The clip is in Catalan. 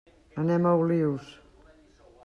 Anem a Olius.